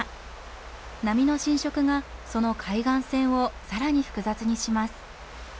波の浸食がその海岸線を更に複雑にします。